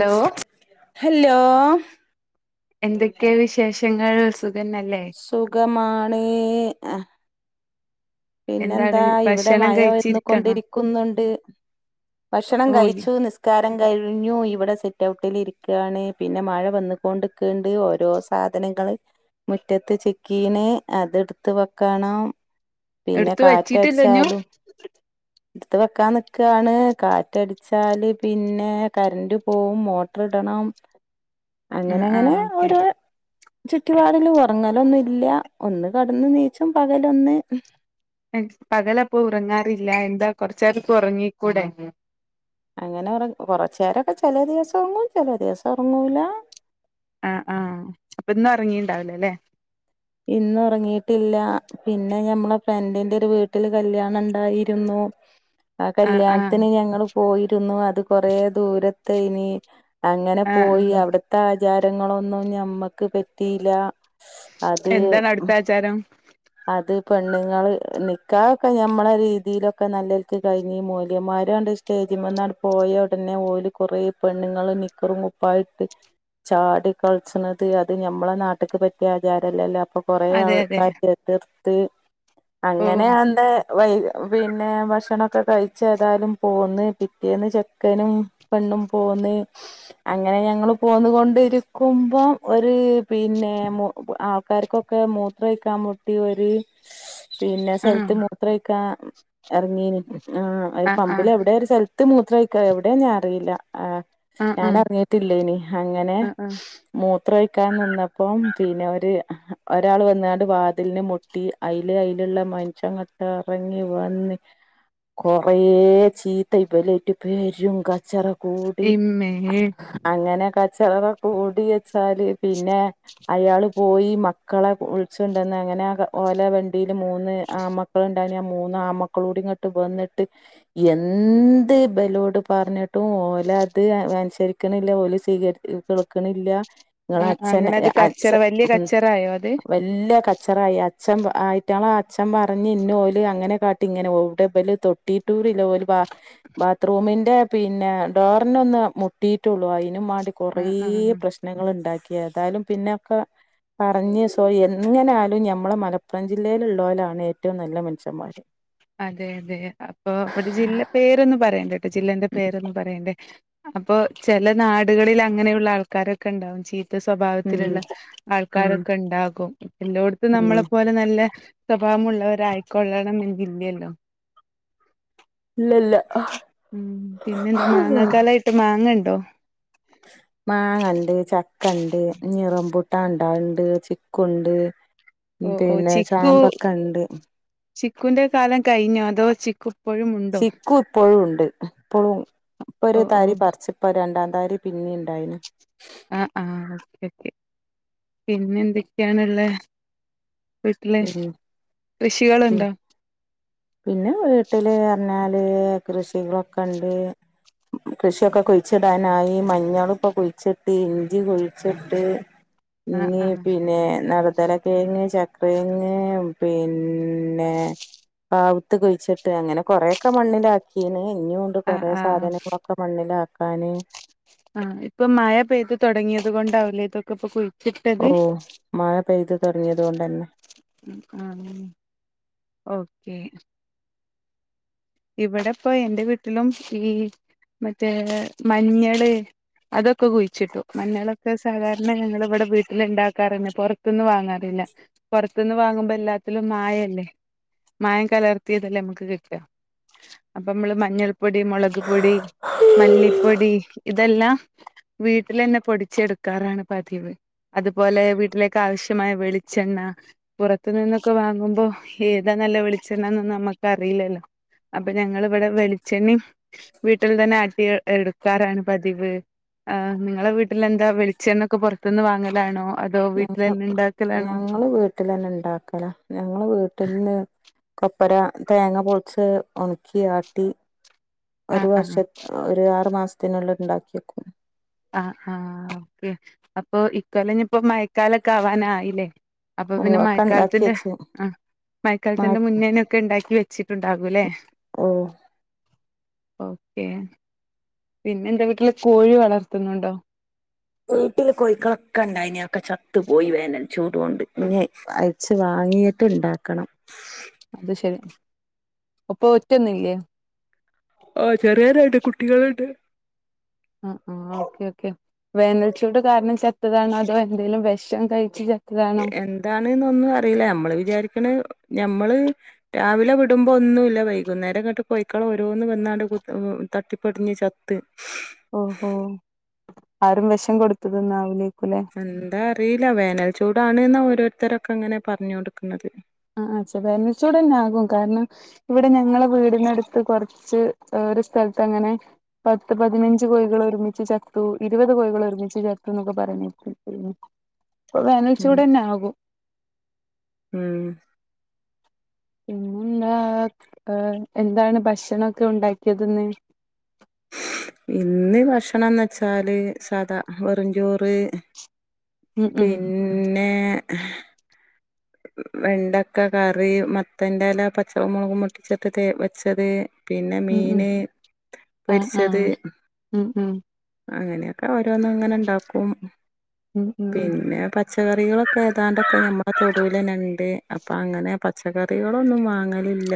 Law hello എന്തൊക്കെ വിശേഷങ്ങൾ സുഖന്നല്ലേ? സുഗമാണ്. അഹ് എന്താണ് പിന്നെന്താ? ഇവിടെ ഭക്ഷണം മഴ വന്ന് കഴിച്ചിരിക്കണോ കൊണ്ടിരിക്കുന്നുണ്ട്. ഭക്ഷണം ഓയ് കഴിച്ചു. നിസ് കാരം കഴിഞ്ഞു ഇവിടെ സിറ്റ്ഔട്ടിൽ ഇരിക്കുകയാണ് പിന്നെ മഴ വന്ന് കൊണ്ടിക്ണ്ട്. ഓരോ സാധനങ്ങള് മുറ്റത്ത് ചിക്കീണ് അത്ട്ത്ത് വെക്കണം പിന്നെ ഇട്ത്ത് വെച്ചിട്ടില്ല ഞ്ഞും. ഇട്ത്ത് വെക്കാൻ നിക്കാണ്. കാറ്റടിച്ചാൽ പിന്നെ കറൻറ് പോവും മോട്ടർ ഇടണം [inaudible] ആ ആ അങ്ങനങ്ങനെ ഓക്കെ ഓരോ ചുറ്റിപാടില് ഒറങ്ങലൊന്നും ഇല്ല ഒന്ന് കടന്ന് നീച്ചും പകലൊന്ന് പകലപ്പൊ ഉറങ്ങാറില്ല എന്താ കൊറച്ചേരൊക്കെ ഒറങ്ങിക്കൂടെ? അങ്ങനെ ഒറങ് കുറച്ചേരൊക്കെ ചെലേ ദിവസം ഒർങ്ങും ചില ദിവസം ഒർങ്ങൂല ആഹ് ആഹ് അപ്പ ഇന്നൊറങ്ങീണ്ടാവുലേ ലെ ഇന്ന് ഉറങ്ങീട്ടില്ല. പിന്നെ ഞമ്മളെ ഫ്രണ്ടിന്റെ ഒരു വീട്ടില് കല്യാണം ഉണ്ടായിരുന്നു. ആ കല്യാണത്തിന് ഞങ്ങൾ പോയിരുന്നു. അത് കൊറേ ദൂരത്തെനി. അങ്ങനെ ആ ആ പോയി അവ്ട്ത്തെ ആചാരങ്ങളൊന്നും ഞമ്മക്ക് പറ്റീല്ലാ. അത് ച്ചേരം അത് പെണ്ണുങ്ങൾ നിക്കാഹ് ഒക്കെ ഞമ്മളെരീതിയിലൊക്കെ നല്ലൽക്ക് കഴിഞ്ഞ്. മോല്യേമാരാണ്ട് സ്റ്റേജ്മ്മന്നാണ്ട് പോയ ഉടനെ ഓല് കുറേ പെണ്ണ്ങ്ങള് നിക്കറും കുപ്പായു ട്ട് ചാടി കളിച്ണത് അത് ഞമ്മളെ നാട്ട്ക്ക് പറ്റിയ ആചാരല്ലല്ലോ. അപ്പം കൊറെ ആൾ അതെ അതെ ക്കാരെതിർത്ത് ഓ അങ്ങനെ [unintelligible] വൈ പിന്നെ ഭക്ഷണൊക്കെ കഴി ച്ചേതാലും പോന്ന് പിറ്റേന്ന് ചെക്കനും പെണ്ണും പോന്ന് അങ്ങനെ ഞങ്ങൾ പോന്നു കൊണ്ടിരിക്കുമ്പൊം ഒരു പിന്നെ ആക്കർക്കൊക്കെ മൂത്രമൊഴിക്കാൻ മു കുട്ടി ഒരുപിന്നെ ആ സ്ഥലത്ത് മൂത്ര ഒഴിക്കാൻ എറങ്ങീനു ഒരു ആ ആ പമ്പില് എവിടെയ ഒരു സ്ഥലത്ത് മൂത്രയിക്കൽഎവിടെയ ഞാൻ അറിയില്ല ആഹ് ആ ആ ഞാൻ അറിഞ്ഞിട്ടില്ലേനീ അങ്ങനെ ആ ആ മൂത്ര ഒഴിക്കാൻ നിന്നപ്പോ പിന്നെ ഒരു ഒരാൾ വന്നണ്ട് വാ അതിന് മുട്ടി അയ്ല് അയ്ല്ള്ള മന്ഷ്യങ്ങട്ട് എറങ്ങി വന്ന് കൊറേ ചീത്ത ഇപലേറ്റ് പെരും കച്ചറ കൂടി ഇമ്മേ അങ്ങനെ കച്ചറ കൂടി വെച്ചാല് പിന്നെ അയാള് പോയി മക്കളെ വിള്ച്ച് അങ്ങനെ ആഹ് ഓലെ വണ്ടിൽ മൂന്ന് ആൺമക്കൾ മൂന്നാ ആൺ മക്കളൂടി ഇങ്ങട്ട് വന്നിട്ട് എന്ത് ഇബലോട് പറഞ്ഞിട്ടും ഓലെ അത് അനുസരിക്കണില്ല ഓല സ്വീക കേൾക്കണില്ല നിങ്ങള ആ ആ, അച്ഛൻ അങ്ങനെ അത് അച്ഛ കച്ചറ വലിയ ഉം കച്ചറായോ അത് വല്ല കച്ചറായി അച്ഛൻ ആയിട്ടാള ആഹ് അച്ഛൻ പറഞ് ഇന്ന ഓല് അങ്ങനെ കാട്ടി ഇങ്ങനെ ഇവിടെല് തൊ് ടീടൂല്ലോ ഒരു ബാത്റൂമിന്റെ പിന്നെ ഡോറിന് ഒന്ന് മുട്ടിയിട്ടുള്ളൂ അയിനുവാ കൊറേ ആ ആ ആ. പ്രശ്നങ്ങൾ ഇണ്ടാക്കിതായാലും പിന്നൊക്കെ പറഞ്ഞ് സോയെൻ ഇങ്ങനെ ആയാലും ഞമ്മളെ മലപ്പുറം ജില്ലയിലുള്ളരാണ് ഏറ്റവും നല്ല മനുഷ്യന്മാര് അതെ അതെ അപ്പൊ അവിടെ ജില്ല പേരൊന്നും പറയണ്ടട്ടോ ജില്ലന്റെ പേരൊന്നും പറയണ്ടേ അപ്പൊ ചെല നാടുകളിൽ അങ്ങനെയുള്ള ആൾക്കാരൊക്കെ ഉണ്ടാവും ചീ ഉം സ്വഭാവത്തിലുള്ള ഉം ആൾക്കാരൊക്കെ ഇണ്ടാകും പിന്നോടുത്ത് ഉം നമ്മളെ പോലെ നല്ല സ്വഭാവമുള്ളവരായിക്കൊള്ളണം എല്ലല്ലോ ഇല്ലല്ല ഉം പിന്നെന്താ മാങ്ങക്കാലായിട്ട് മാങ്ങ ഇണ്ടോ മാങ്ങ ഇണ്ട് ചക്ക ഇണ്ട് ഇനി റമ്പുട്ടാൻ ഇണ്ടാകുന്നുണ്ട് ചിക്കുണ്ട് ഓ ഓ പിന്നെ ചിക്കു ചാമ്പക്ക ഇണ്ട് ചിക്കുന്റെ കാലം കഴിഞ്ഞോ അതോ ചിക്കു ഇപ്പോഴും ഉണ്ടോ ചിക്കു ഇപ്പോഴും ഉണ്ട് ഇപ്പോഴും ഇപ്പൊ ഒരു ഓ ഓ താരി പറിച്ച ഇപ്പൊ രണ്ടാം തരി ഉണ്ടായിരുന്നു പിന്നെ ഇണ്ടായിന് ആഹ് ആഹ് കിട്ടി പിന്നെ എന്തൊക്കെയാണ്ള്ളത് വീട്ടിൽ കൃഷികള് പി ഇണ്ടോ പിന്നെ വീട്ടില് പറഞ്ഞാല് കൃഷികളൊക്കെ ഉണ്ട് കൃഷിയൊക്കെ കുഴിച്ചിടാൻ ആയി മഞ്ഞള ഇപ്പൊ കൊഴിച്ചിട്ട് ഇഞ്ചി കുഴിച്ചിട്ട് [inaudible] ഈ ആ പിന്നെ വഴുതന [unintelligible] പിന്നെ പിന്നെ ആവിത്ത് കുഴിച്ചിട്ട് അങ്ങനെ കൊറെക്കെ മണ്ണിലാക്കിയന് ഇനിയും ആ കൊറെ ആ സാധനങ്ങളൊക്കെ മണ്ണിലാക്കാന് ആഹ് ഇപ്പൊ മഴ പെയ്ത് തുടങ്ങിയത് കൊണ്ടാവലേ ഇതൊക്കെ ഇപ്പൊ കുഴിച്ചിട്ടത് ഓ മഴ പെയ്തു തുടങ്ങിയത് കൊണ്ട് തന്നെ ഉം ആഹ് ഓക്കെ ഇവിടെപ്പൊ എന്റെ വീട്ടിലും ഈ മറ്റേ മഞ്ഞള് അതൊക്കെ കുഴിച്ചിട്ടു മഞ്ഞളൊക്കെ സാധാരണ ഞങ്ങളിവിടെ വീട്ടിൽണ്ടാക്കാറില്ല പുറത്തൊന്നും വാങ്ങാറില്ല പുറത്തുന്ന് വാങ്ങുമ്പോ എല്ലാത്തിലും മായല്ലേ മായം കലർത്തിയതല്ലേ നമുക്ക് കിട്ടാ അപ്പൊ നമ്മള് മഞ്ഞൾപ്പൊടി മുളക് പൊടി മല്ലിപ്പൊടി ഇതെല്ലാം വീട്ടിലന്നെ പൊടിച്ചെടുക്കാറാണ് പതിവ് അതുപോലെ വീട്ടിലേക്ക് ആവശ്യമായ വെളിച്ചെണ്ണ പുറത്ത് നിന്നൊക്കെ വാങ്ങുമ്പോ ഏതാ നല്ല വെളിച്ചെണ്ണന്നും നമ്മുക്ക് അറിയില്ലല്ലോ അപ്പൊ ഞങ്ങിവിടെ വെളിച്ചെണ്ണി വീട്ടിൽ തന്നെ ആട്ടി എടുക്കും ആക്കാരാണ് പതിവ് ആഹ് നിങ്ങളെ വീട്ടിൽ എന്താ വെളിച്ചെണ്ണൊക്കെ പുറത്തുനിന്ന് വാങ്ങലാണോ വീട്ടിൽ തന്നെ ഇണ്ടാക്കലാണോ ഞങ്ങള് വീട്ട തന്നെ ഇണ്ടാക്കണം ഞങ്ങ വീട്ടിൽന്ന്- കൊപ്പറ തേങ്ങ പൊളിച്ച് ഒണക്കി ആട്ടി- ആ ഒരു ആ വർഷ ഒരു ആറു മാസത്തിനുള്ളിൽ ഇണ്ടാക്കി വെയ്ക്കും ആഹ് ആഹ് ഓക്കെ അപ്പൊ ഇക്കൊല്ലം ഞാൻ ഇപ്പോ മയക്കാലൊക്കെ ആവാൻ ആയില്ലേ അപ്പൊ ഓ പിന്നെ ഒക്കെ ഉണ്ടാക്കി മഴക്കാലത്തിന്റെ വെച്ച് ആ മ മയക്കാലത്തിന്റെ മുന്നേ തന്നെ ഒക്കെ ഒണ്ടാക്കി വെച്ചു ഉച്ചക്ക് ഉണ്ടാക്കുംയല്ലേ ഓഹ് ഓക്കെ പിന്നെ നിന്റെ വീട്ടില് കോഴി വളർത്തുന്നുണ്ടോ വീട്ടി കോഴിക്കളൊക്കെ ഇണ്ടായിനെ അതൊക്ക ചത്തു പോയി വേനൽ ചൂട് കൊണ്ട് ഇച്ചിരി വാങ്ങിയിട്ട് ഇണ്ടാക്കണം അത് ശരി ഒ [unintelligible] പ്പ ഒ [unintelligible] റ്റന്നില്ലേ ഓഹ് ചെറിയ രണ്ട് കുട്ടികളുണ്ട് ആഹ് ആഹ് ഓക്കെ ഓക്കെ വേനൽച്ചൂട് കാരണം ചത്തതാണ് അതോ എന്തേലും വിഷം കഴിച്ച് - എന്താണ് എന്ന്ന്നൊന്നും അറിയില്ല ഞമ്മള് വിചാരിക്കണ ഞമ്മള്- രാവിലെ വിടുമ്പോ ഒന്നുമില്ല വൈകുന്നേരം തൊട്ട് കോഴിക്കളെ ഓരോന്ന് വന്ന് ആണ്ട് തട്ടിപ്പടിഞ്ഞ് ചത്ത്- ഓഹ് ഹോ ആരോ വിഷം കൊടുത്തത് എന്ന് ആവേലുംയായിരിക്കും എന്താ അറിയില്ല വേനൽച്ചൂടാണ് എന്നാ ഓരോരുത്തരൊക്കെ അങ്ങനെ പറഞ്ഞു കൊടുക്കണുന്നത് ആഹ് ആഹ് വേനൽച്ചുടു തന്നെ ആകും കാരണം- ഇവിടെ ഞങ്ങളെ വീടിനടുത്ത് കൊറച്ച് ഒരു സ്ഥലത്ത് അങ്ങനെ- പത്ത് പതിനഞ്ച് കോഴികൾ ഒരുമിച്ച് ചത്തു ഇരുപത് കോഴികൾ ഒരുമിച്ച് ചത്തു എന്നൊക്കെ പറയ- അപ്പം ഉം വെനൽച്ചുട് തന്നെ ആകൂ ഉം ആഹ് എന്താണ് ഭക്ഷണക്കെ ഒണ്ടാക്കിയതെന്ന് ഇന്ന് ഭക്ഷണയെന്ന് വെച്ചാല് സാദാ വെറുംചോറ് ഉം ഉം പിന്നെ- വെണ്ടക്ക കറി മത്തന്റെയില പച്ചകമുളകും മുട്ടിച്ചി [unintelligible] ട്ട് വെച്ചത് പിന്നെ ഉം ഉം മീന് ആഹ് പൊരിച്ചത് ആഹ് ഉം ഉം അങ്ങനെയൊക്കെ ഓരോന്നും അങ്ങനെ ഇണ്ടാക്കും ഉം ഉം പിന്നെ- പച്ചക്കറികളൊക്കെ ഏതാണ്ടൊക്കെ ഞമ്മളെ - അത് പോലെ ഞണ്ട് അപ്പൊ അങ്ങനെ പച്ചക്കറികളൊന്നും വാങ്ങലില്ല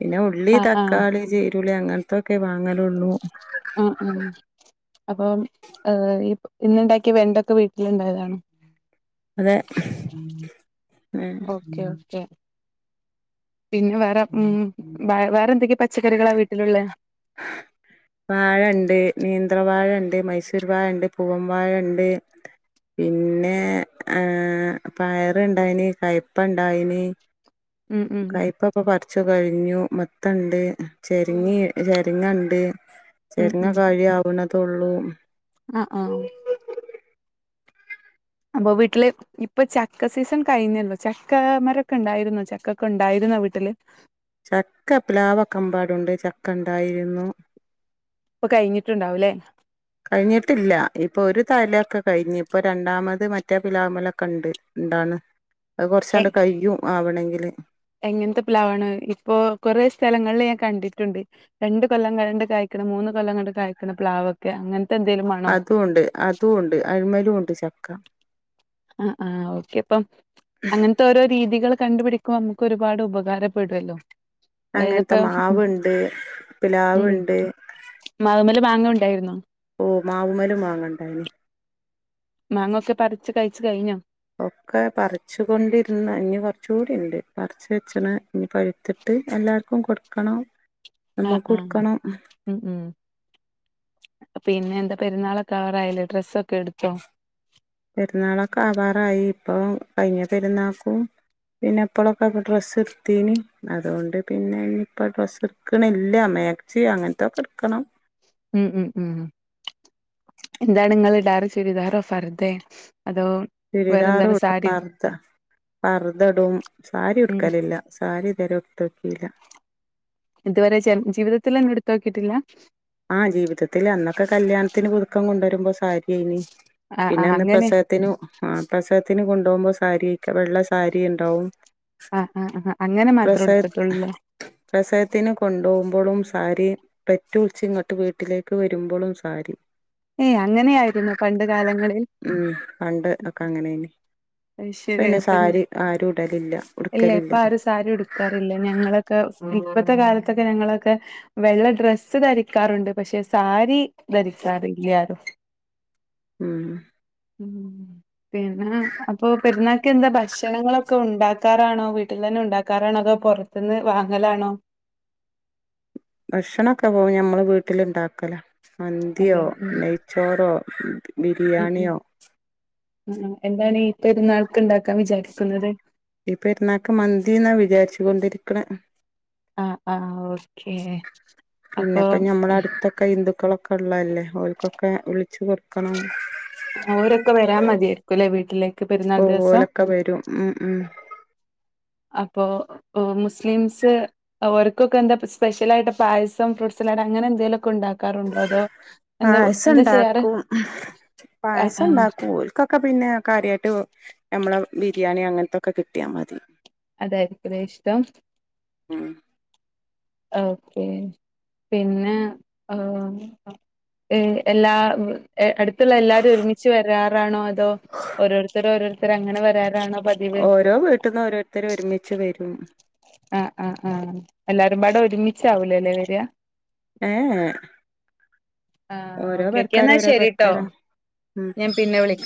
പിന്നെ ഉള്ളി ആഹ് ആഹ് തക്കാളി ചെറിയ ഉളളി അങ്ങനത്തൊക്കെ വാങ്ങലള്ളൂ ആഹ് ആഹ് അപ്പം ഈ - ഇന്നു ഇണ്ടാക്കിയ വെണ്ടൊക്കെ വീട്ടില് ഇണ്ടായതാണൊ അതെ ഏഹ് ഓക്കെ ഓക്കെ പിന്നെ വേറെ ഉം വേറെ എന്തൊക്കെയാ പച്ചക്കറികളാ വീട്ടിലുള്ളെ വാഴ ഉണ്ട് നേന്ത്രവാഴ ഉണ്ട് മൈസൂർ വാഴ ഉണ്ട് പൂവം വാഴ ഉണ്ട് പിന്നെ പയറ്ണ്ടായിന് കയ്പ്പ ഇണ്ടായിനെ ഉം ഉം കയപ്പയിപ്പൊ പറിച്ചു കഴിഞ്ഞു മത്തണ്ട് ചെരിങ്ങി ചെരിങ്ങയൊണ്ട് ഉം ചെരിങ്ങ ഉം ഒക്കെ കഴിയവുന്നതെ ഉള്ളൂ ആഹ് ആഹ് അപ്പൊ വീട്ടില്- ഇപ്പൊ ചക്ക സീസൺ കഴിഞ്ഞല്ലോ ചക്ക മരൊക്കെ ഇണ്ടായിരുന്നോ ചക്കക്കെ ഇണ്ടായിരുന്നോ വീട്ടില് ചക്ക പിലാവ് ഒക്കെ എമ്പാടും ഉണ്ട് ചക്ക ഉണ്ടായിരുന്നു ഇപ്പൊ കഴിഞ്ഞിട്ടുണ്ടാവല്ലേ കഴിഞ്ഞിട്ടില്ല ഇപ്പൊ ഒരു തലൊക്കെ കഴിഞ്ഞ് ഇപ്പൊ രണ്ടാമത് മറ്റേ പ്ലാവ് മ്മലൊക്കെ ഉണ്ട് ഇണ്ടാണ് ഉ [inaudible] അത് കൊറച്ചാണ്ട് കഴിയും ആവണോങ്കില് എങ്ങനത്തെ പ്ലാവാണ് ഇപ്പോ കൊറേ സ്ഥലങ്ങളിൽ ഞാൻ കണ്ടിട്ടുണ്ട് രണ്ട് കൊല്ലം കണ്ടണ്ട് കായ്ക്കുന്ന മൂന്ന് കൊല്ലം കണ്ട് കായ്ക്കുന്ന പ്ലാവ് ഒക്കെ അങ്ങനത്തെ എന്തേലും വേണോ അതും ഉണ്ട് അതും ഉണ്ട് അഴിമലും ഉണ്ട് ചക്ക ആ ആ ഓക്കെ അപ്പം അങ്ങന ഇ ഓരോ രീതികൾ കണ്ടുപിടിക്കുമോ നമുക്ക് ഒരുപാട് ഉപകാരപ്പെടുമല്ലോ അങ്ങനത്തെ മാവുണ്ട് പ്ലാവുണ്ട് മാവുമെല് മാങ്ങ ഉണ്ടായിരുന്നോ ഓ മാവുമെലു മാങ്ങണ്ടായിരുന്നു മാങ്ങൊക്കെ പറിച്ച് കഴിച്ചു കഴിഞ്ഞോ ഒക്കെ പറിച്ചു കൊണ്ടിരുന്ന ഇനി കുറചൂടിയുണ്ട് പറിച്ച് വെച്ചത് പിന്നെ പഴുത്തിട്ട് എല്ലാവർക്കും കൊടുക്കണം [unintelligible] നമ്മക്ക് ആഹ് കൊടുക്കണോ ഉം ഉം പിന്നെ എന്താ പെരുന്നാളൊക്കെ ആവാറായില്ലേ ഡ്രസ്സൊക്കെ എടുത്തോ പെരുന്നാളൊക്കെ ആവാറായി ഇപ്പൊ കഴിഞ്ഞ പെരുന്നാക്കും പിന്നെ എപ്പോളോക്കെ ഡ്രസ്സ് ഇർത്തീനി അതുകൊണ്ട് പിന്നെ ഇനിയിപ്പോ ഡ്രസ്സ് എടുക്കണില്ല മേടിച്ച് അങ്ങനത്തെക്കെ എടുക്കണം ഉം ഉം ഉം എന്താണ് നിങ്ങ ഇടാറ് ചുരിദാറോ ഫറുതെ അതോ ചുരിദാറും വേറെന്താണ് ഇടും സാരിയോ ഫർദ ഫറുദ ഇടും സാരി ഉം ഉടുക്കലില്ല സാരി ഇതുവരെ ഉടുത്തട്ടില്ല ഇതുവരെ ജീവിതത്തിൽ തന്നെ ഉടുത്ത് നോക്കിയിട്ടില്ല ആഹ ജീവിതത്തിൽ അന്നൊക്കെ കല്യാണത്തിന് പുതുക്കം കൊണ്ടുവരുമ്പോ സാരിയയിനി ആഹ് പിന്നെ ആഹ് അന്ന് അങ്ങനെ പ്രസ ത്തിന് ആ പ്രസവത്തിനന് കൊണ്ടുപോകുമ്പോ സാരി വെള്ള സാരി ഉണ്ടാവും ആ ആ ആ അങ്ങനെ മാത്രേ പ്രസവ ഉടുത്തിട്ടുളള്ളൂല്ലെ പ്രസവത്തിന് കൊണ്ടോകുമ്പോഴും സാരി പെറ്റു ഇങ്ങോട്ട് വീട്ടിലേക്ക് വരുമ്പോളും സാരി ഏയ് അങ്ങനെയായിരുന്നു പണ്ട് കാലങ്ങളിൽ മ് പണ്ട് ഒക്കെ അങ്ങനെന് അത് ശരി പിന്നെ അപ്പൊ ഞ സാരി ആരു ഇടലില്ല ഇല്ല ഉടുക്കലില്ല ഇപ്പൊ ആരും സാരി ഉടുക്കാറില്ല ഞങ്ങളൊക്കെ ഇപ്പത്തെ കാലത്തൊക്കെ ഞങ്ങളൊക്കെ വെള്ള ഡ്രസ്സ് ധരിക്കാറുണ്ട് പക്ഷെ സാരി ധരിക്കാറില്ലാരും [inaudible] ഉം ഉം പിന്ന അപ്പൊ പെരുന്നാള്ക്ക് എന്താ ഭക്ഷണങ്ങളൊക്കെ ഉണ്ടാക്കാറാണോ വീട്ടിൽ തന്നെ ഉണ്ടാക്കാറാണോ അതൊ പുറ പിന്നെ വാങ്ങലാണോ ഭക്ഷണൊക്കെ പോവും ഞമ്മള് വീട്ടില് ഇണ്ടാക്കല മന്തിയോ അതെ ഉം ചോറോ ഉം ഉം എന്താണ് ഇപ്പെരുന്നാൾക്ക് ഉണ്ടാക്കാൻ വിചാരിക്കുന്നത് ഇപ്പെരുന്നാക്ക് മന്തി എന്നാ വിചാരിച്ച് കൊണ്ടിരിക്കണെ ആ ആ ഓക്കേ അപ്പൊ പിന്നെപ്പ ഞമ്മള അടുത്തൊക്കെ ഹിന്ദുക്കളൊക്കെ ഉള്ളതല്ലേ അവർ ക്കൊക്കെ വിളിച്ചു കൊടുക്കണം ഓരൊക്കെ വരാൻ മടിയായിരിക്കും അല്ലേ വീട്ടിലേക്ക് പെരുന്നാൾ ദിവസം മ് മ് അപ്പോ മുസ്ലീംസ് അവർക്കൊക്കെന്താ സ്പെഷ്യൽ ആയിട്ട് പായസം ഫ്രൂട്ട്സലാഡ് അങ്ങനെ എന്തെങ്കിലും ഒക്കെ ഉണ്ടാ പായസം ചെയ്യാറ് ഉണ്ടാക്കും ആ പായസം ആ ഉണ്ടാക്കും പോൽ [unintelligible] പിന്നെ കാര്യമായിട്ട് നമ്മളെ ബിരിയാണി അങ്ങനത്തൊക്കെ കിട്ടിയാൽ മതി അതായിരിക്കുവെ ഇഷ്ടം മ് ഓക്കേ പിന്നെ ഏ എല്ലാ അട്ത്ത്ള്ള എല്ലാരും ഒരുമിച്ച് വരാറാണോ അതോ ഓരോരുത്തര് ഓരോരുത്തര് അങ്ങനെ വരാറാണോ പതി ഓരോ വീട്ട്ന്നും ഓരോരുത്തരും ഒരുമിച്ച് വരും ആഹ് ആ ആഹ് എല്ലാരും പാടെ ഒരുമിച്ചാവൂലല്ലേ വരാ ഏ ഏഹ് ആ ഓരോ ഓക്കെ ഓക്കെ പെര്ക്കാര് എന്നാ ഓരോ ശരിട്ടോ പെര്ക്കാരാ ഉം ഞാൻ പിന്നെ വിളിക്കാം